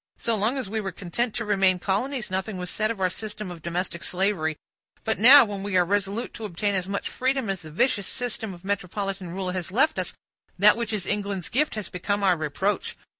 So long as we were content to remain colonies, nothing was said of our system of domestic slavery; but now, when we are resolute to obtain as much freedom as the vicious system of metropolitan rule has left us, that which is England's gift has become our reproach.